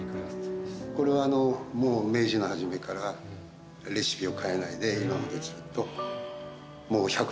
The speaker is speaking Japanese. これはもう明治の初めからレシピを変えないで今までずっと。